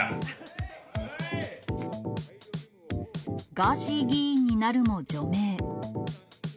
ガーシー議員になるも除名。